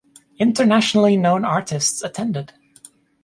Internationally known artists attended.